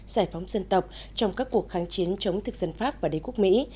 giải phóng dân tộc trong các cuộc kháng chiến chống thực dân pháp và đế quốc mỹ